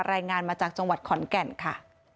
รายงานมาจากจังหวัดขอนแก่นค่ะ